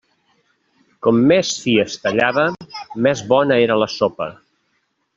Com més fi es tallava, més bona era la sopa.